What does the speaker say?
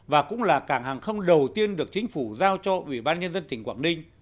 và cũng là cảng hàng không đầu tiên được chính phủ giao cho ủy ban nhân dân tỉnh quảng ninh